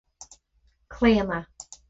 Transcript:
Claonadh